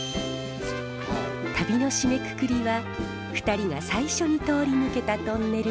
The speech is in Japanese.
旅の締めくくりは２人が最初に通り抜けたトンネルの上。